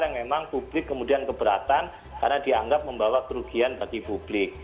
yang memang publik kemudian keberatan karena dianggap membawa kerugian bagi publik